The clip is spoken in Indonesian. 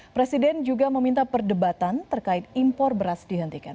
presiden juga meminta perdebatan terkait impor beras dihentikan